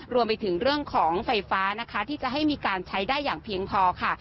รวมไปถึงเรื่องของไฟฟ้านะคะที่จะให้มีการใช้ได้อย่างเพียงพอค่ะ